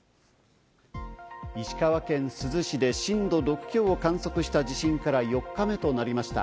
石川県珠洲市で震度６強を観測した地震から４日目となりました。